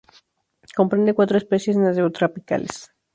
Comprende cuatro especies neotropicales.